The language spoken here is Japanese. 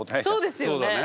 そうですよね